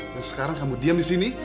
dan sekarang kamu diam di sini